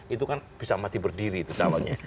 itu kan bisa mati berdiri itu calonnya